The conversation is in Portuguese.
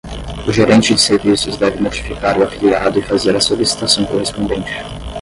O gerente de serviços deve notificar o afiliado e fazer a solicitação correspondente.